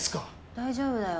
大丈夫だよ。